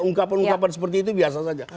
ungkapan ungkapan seperti itu biasa saja